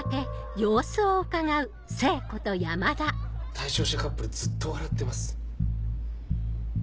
・対象者カップルずっと笑ってます。